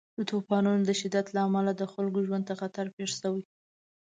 د طوفانونو د شدت له امله د خلکو ژوند ته خطر پېښ شوی.